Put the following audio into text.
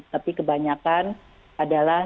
tapi kebanyakan adalah